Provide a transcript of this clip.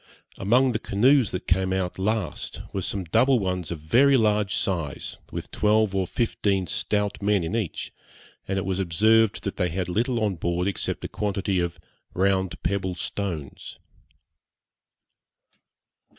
Among the canoes that came out last were some double ones of very large size, with twelve or fifteen stout men in each, and it was observed that they had little on board except a quantity of round pebble stones.